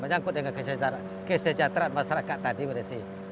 menyangkut dengan kesejahteraan masyarakat tadi pada si